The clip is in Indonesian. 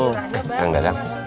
eh kang dadang